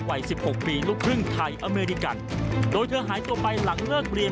สิบหกปีลูกครึ่งไทยอเมริกันโดยเธอหายตัวไปหลังเลิกเรียน